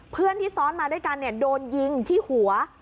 เพื่อนที่ซ้อนมาด้วยกันโดนยิงที่หัว